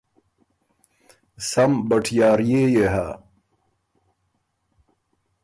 سم بټیارئے يې هۀ